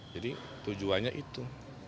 jadi tujuannya itu